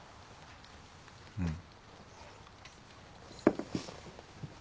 うん。